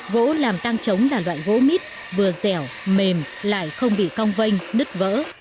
gỗ làm tang trống là loại gỗ mít vừa dẻo mềm lại không bị cong vanh nứt vỡ